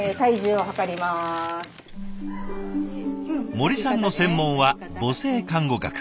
森さんの専門は母性看護学。